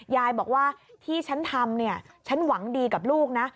ยายบอกว่าที่ฉันทำเนี่ยฉันหวังดีกับลูกนะ